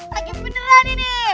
pake beneran ini